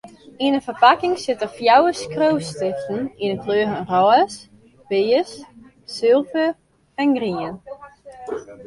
Yn in ferpakking sitte fjouwer skriuwstiften yn 'e kleuren rôs, pears, sulver en grien.